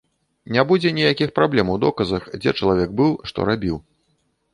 Не будзе ніякіх праблем у доказах, дзе чалавек быў, што рабіў.